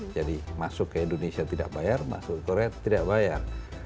jadi masuk ke indonesia tidak bayar masuk ke korea tidak bayar